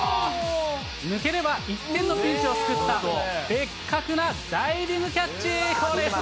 抜ければ１点のピンチを救ったベッカクなダイビングキャッチ。